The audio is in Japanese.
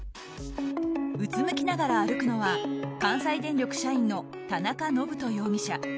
うつむきながら歩くのは関西電力社員の田中信人容疑者。